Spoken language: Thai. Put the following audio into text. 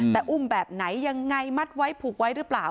แต่อุ้มแบบไหนยังไงมัดไว้ผูกไว้หรือเปล่า